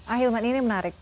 akhil man ini menarik